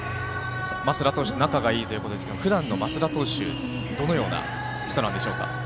増田投手と仲がいいということですがふだんの増田投手どのような人なんでしょうか。